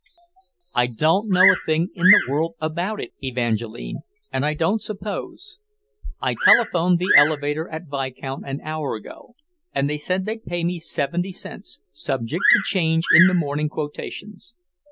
"I don't know a thing in the world about it, Evangeline, and I don't suppose. I telephoned the elevator at Vicount an hour ago, and they said they'd pay me seventy cents, subject to change in the morning quotations.